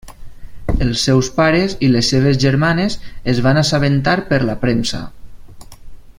Els seus pares i les seves germanes es van assabentar per la premsa.